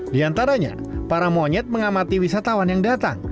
di antaranya para monyet mengamati wisatawan yang datang